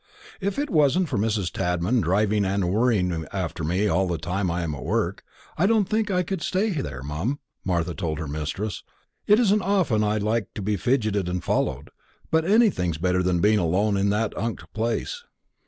"If it wasn't for Mrs. Tadman driving and worrying after me all the time I'm at work, I don't think I could stay there, mum," Martha told her mistress. "It isn't often I like to be fidgetted and followed; but anything's better than being alone in that unked place."